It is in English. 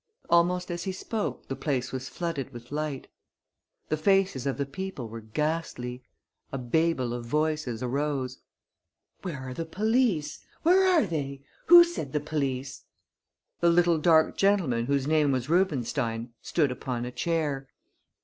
Almost as he spoke the place was flooded with light. The faces of the people were ghastly. A babel of voices arose. "Where are the police?" "Where are they?" "Who said the police?" The little dark gentleman whose name was Rubenstein stood upon a chair.